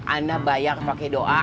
anda bayar pakai doa